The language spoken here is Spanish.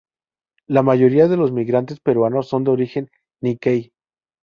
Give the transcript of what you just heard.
La mayoría de los migrantes peruanos son de origen "nikkei".